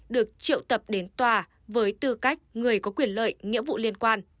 được triệu tập đến tòa với tư cách người có quyền lợi nghĩa vụ liên quan